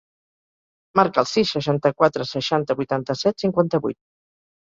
Marca el sis, seixanta-quatre, seixanta, vuitanta-set, cinquanta-vuit.